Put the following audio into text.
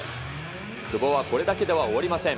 久保はこれだけでは終わりません。